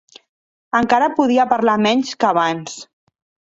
Encara podia parlar menys que abans.